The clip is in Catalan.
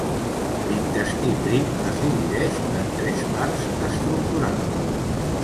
L'intestí prim es divideix en tres parts estructurals.